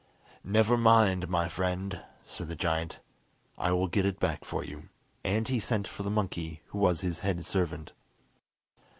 "Never mind, my friend," said the giant, "I will get it back for you." And he sent for the monkey who was his head servant.